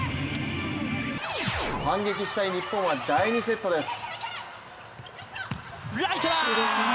反撃したい日本は第２セットです。